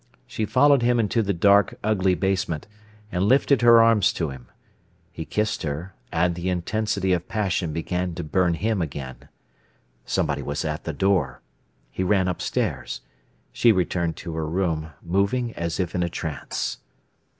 She followed him into the dark, ugly basement, and lifted her arms to him. He kissed her, and the intensity of passion began to burn him again. Somebody was at the door. He ran upstairs; she returned to her room, moving as if in a trance.